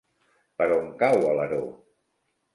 Per on cau Alaró?